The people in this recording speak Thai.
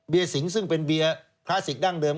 สิงซึ่งเป็นเบียร์คลาสสิกดั้งเดิม